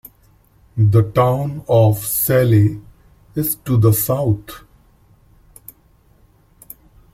The town of Salley is to the south.